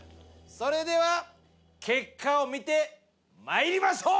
それでは結果を見てまいりましょう！